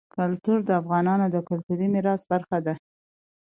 کلتور د افغانستان د کلتوري میراث برخه ده.